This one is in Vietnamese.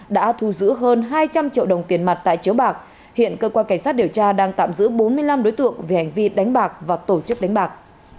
bốn mươi năm đối tượng về hành vi đánh bạc và tổ chức đánh bạc